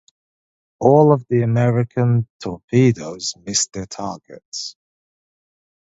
All of the American torpedoes missed their targets.